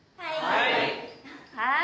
はい。